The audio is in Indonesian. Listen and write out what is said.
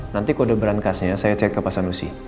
nanti kode beran kasnya saya cek ke pak sanusi